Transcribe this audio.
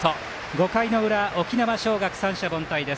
５回の裏、沖縄尚学、三者凡退。